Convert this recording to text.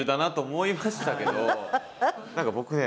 何か僕ね